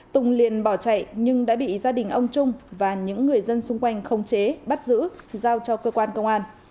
tùng liền bỏ chạy nhưng đã bị gia đình ông trung và những người dân xung quanh khống chế bắt giữ giao cho cơ quan công an